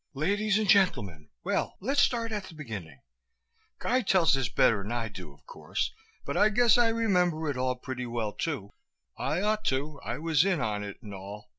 "Ladies and gentlemen, well, let's start at the beginning. Guy tells this better'n I do, of course, but I guess I remember it all pretty well too. I ought to. I was in on it and all."